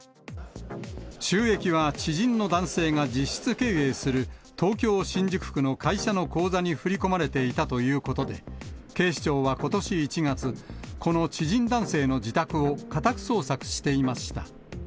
収益は知人の男性が実質経営する、東京・新宿区の会社の口座に振り込まれていたということで、警視庁はことし１月、この知人男性の自宅を家宅捜索していました。